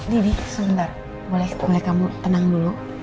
di di sebentar boleh kamu tenang dulu